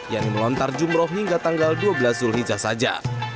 yang melontar jumroh hingga tanggal dua belas zulhijjah saja